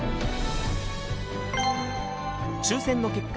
抽選の結果